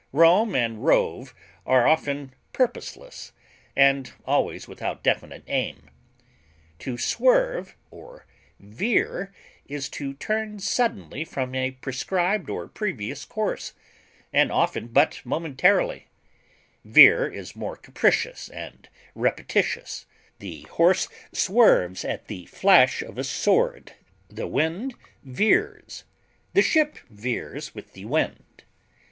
Roam and rove are often purposeless, and always without definite aim. To swerve or veer is to turn suddenly from a prescribed or previous course, and often but momentarily; veer is more capricious and repetitious; the horse swerves at the flash of a sword; the wind veers; the ship veers with the wind.